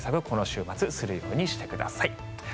この週末するようにしてください。